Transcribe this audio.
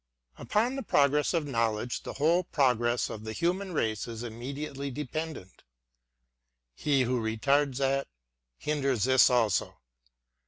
Upon the progress of Knowledge the whole progress of the human race is immediately depen dent : he who retards that, hinders this also.